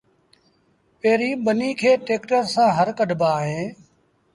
پيريݩ ٻنيٚ ٽيڪٽر سآݩ هر ڪڍبآ اهيݩ